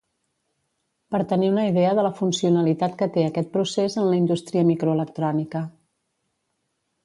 Per tenir una idea de la funcionalitat que té aquest procés en la indústria microelectrònica.